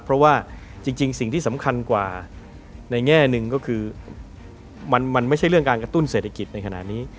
เพราะว่าจริงสิ่งที่สำคัญกว่าในแง่หนึ่งก็คือมันไม่ใช่เรื่องการกระตุ้นเศรษฐกิจในขณะนี้